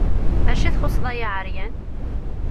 Acu i txuṣṣeḍ ay aɛeyan?